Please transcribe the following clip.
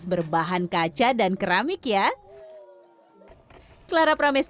gelas berbahan kaca dan keramik ya